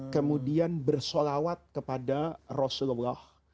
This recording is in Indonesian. kemudian bersolawat kepada rasulullah